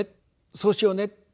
そうしようね」って。